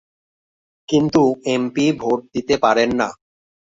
কিন্তু M P vote দিতে পারেন না।